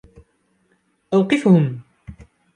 أوقفهم.